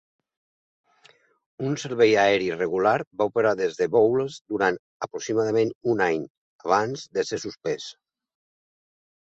Un servei aeri regular va operar des de Bowles durant aproximadament un any, abans de ser suspès.